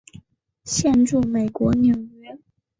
现住美国纽约。